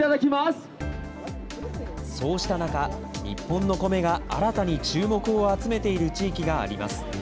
そうした中、日本のコメが新たに注目を集めている地域があります。